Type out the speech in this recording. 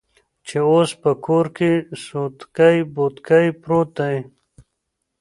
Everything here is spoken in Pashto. چې اوس په کور کې سوتکى بوتکى پروت دى.